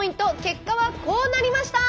結果はこうなりました！